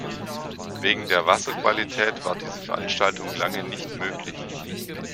Wegen der Wasserqualität war diese Veranstaltung lange nicht möglich.